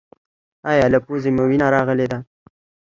ایا له پوزې مو وینه راغلې ده؟